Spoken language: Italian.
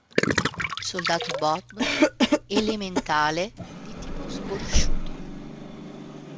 Soldato Bob: elementale di tipo sconosciuto.